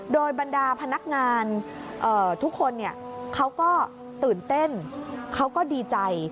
โดยบรรดาพนักงานทุกคนเขาก็ตื่นเต้นเขาก็ดีใจ